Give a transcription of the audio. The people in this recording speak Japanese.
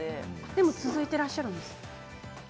でも続いてらっしゃるんですか？